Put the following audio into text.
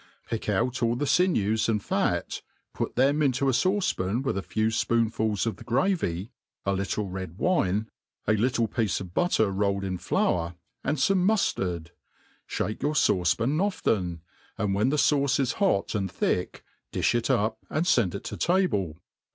Pick out all the finews and fat, put Chem inCQ a iauce pan with a few fpoonfuls of the gravy, a little C a red wincn M THE ART OF COOKERY red wine, a tittle piece of butter rolled in flour, and fome muf* tard i ihake your fauce^pan often, and when the faijce, is hot and thick, di(h it up, and fend it to table.